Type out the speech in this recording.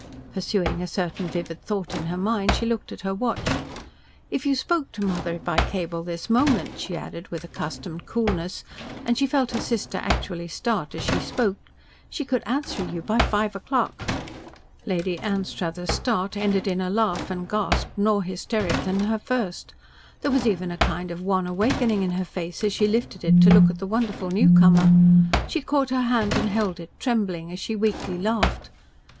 Pursuing a certain vivid thought in her mind, she looked at her watch. "If you spoke to mother by cable this moment," she added, with accustomed coolness, and she felt her sister actually start as she spoke, "she could answer you by five o'clock." Lady Anstruther's start ended in a laugh and gasp more hysteric than her first. There was even a kind of wan awakening in her face, as she lifted it to look at the wonderful newcomer. She caught her hand and held it, trembling, as she weakly laughed.